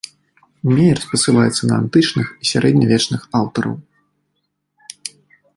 Меер спасылаецца на антычных і сярэднявечных аўтараў.